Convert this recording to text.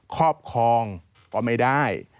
ครอบครองก็ไม่ได้